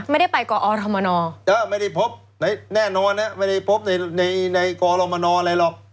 ไม่ได้ไปกออรมนอร์เออไม่ได้พบแน่นอนน่ะไม่ได้พบในในในในกออรมนอร์อะไรหรอก